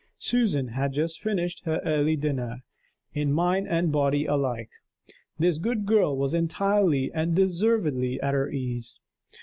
Susan had just finished her early dinner: in mind and body alike, this good girl was entirely and deservedly at her ease.